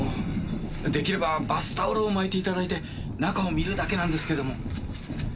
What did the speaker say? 出来ればバスタオルを巻いて頂いて中を見るだけなんですけども。